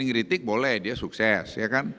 ini ngeritik boleh dia sukses